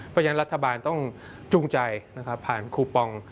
เพราะฉะนั้นรัฐบาลต้องจูงใจนะครับผ่านคูปอง